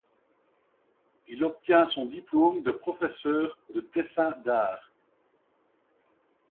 Il y obtient son diplôme de professeur de dessin d'art.